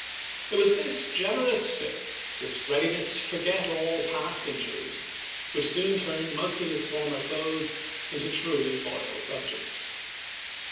" It was this generous spirit, this readiness to forget all past injuries, which soon turned most of his former foes into truly loyal subjects.